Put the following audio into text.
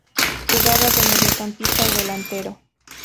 Jugaba de mediocampista o delantero.